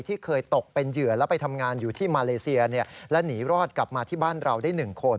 ที่เคยตกเป็นเหยื่อแล้วไปทำงานอยู่ที่มาเลเซียและหนีรอดกลับมาที่บ้านเราได้๑คน